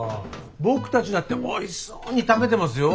僕たちだっておいしそうに食べてますよ。